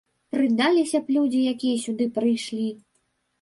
Прыдаліся б людзі, якія сюды прышлі.